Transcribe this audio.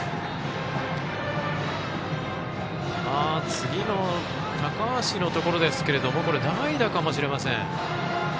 次の高橋のところですが代打かもしれません。